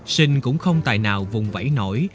sinh cũng không tài nào vùng vẫy nổi